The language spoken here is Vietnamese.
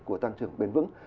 của tăng trưởng bền vững